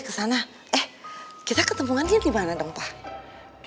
kapan lagi digotong sama dua cewek